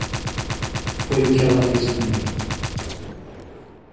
Foi o que ela fez comigo.